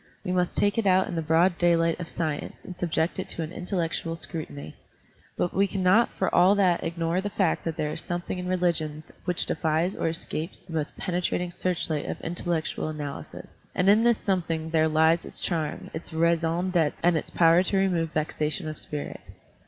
We must take it out in the broad daylight of science and subject it to an intellectual scru tiny. But we cannot for all that ignore the fact that there is something in religion which defies Digitized by Google IGNORANCE AND ENLIGHTENMENT 13I or escapes the most penetrating searchlight of intellecttial analysis. And in this something there lies its charm, its raison d'etre, and its power to remove vexation of spirit.